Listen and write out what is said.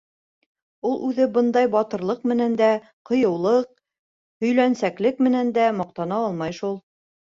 Ул үҙе бындай батырлыҡ менән дә, ҡыйыулыҡ, һөйләнсәклек менән дә маҡтана алмай шул.